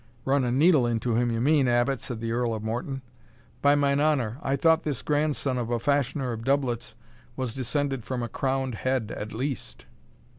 "Run a needle into him you mean, Abbot," said the Earl of Morton; "by mine honour, I thought this grandson of a fashioner of doublets was descended from a crowned head at least!"